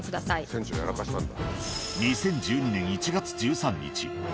船長やらかしたんだ。